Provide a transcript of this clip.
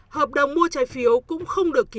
hợp đồng mua trái phiếu cũng không được ký